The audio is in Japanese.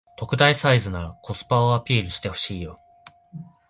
特大サイズならコスパをアピールしてほしいよ